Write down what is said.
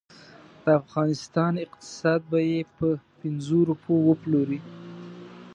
د افغانستان اقتصاد به یې په پنځو روپو وپلوري.